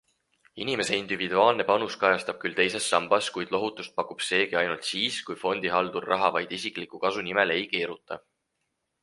Inimese individuaalne panus kajastub küll teises sambas, kuid lohutust pakub seegi ainult siis, kui fondihaldur raha vaid isikliku kasu nimel ei keeruta.